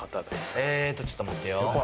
えーっとちょっと待ってよ